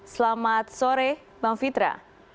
selamat sore bang fitra